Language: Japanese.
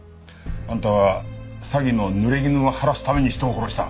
あんたは詐欺の濡れ衣を晴らすために人を殺した！